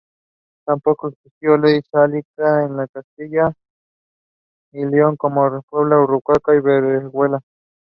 He studied musicology with the subsidiary subjects philosophy and physics.